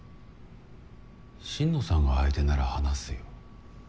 心野さんが相手なら話すよ。